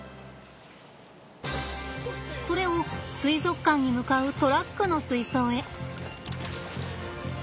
それを水族館に向かうトラックの水槽へ。